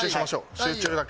集中だけ。